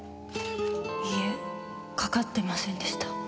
いいえかかってませんでした。